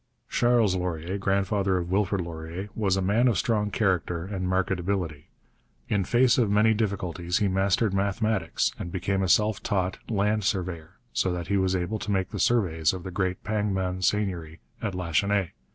Charles Laurier, grandfather of Wilfrid Laurier, was a man of strong character and marked ability. In face of many difficulties he mastered mathematics and became a self taught land surveyor, so that he was able to make the surveys of the great Pangman seigneury at Lachenaie.